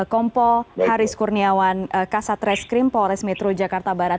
kompol haris kurniawan kasat reskrim polres metro jakarta barat